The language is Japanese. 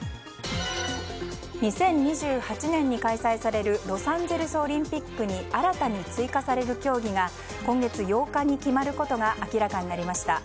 ２０２８年に開催されるロサンゼルスオリンピックに新たに追加される競技が今月８日に決まることが明らかになりました。